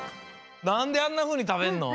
なんであんなふうに食べんの？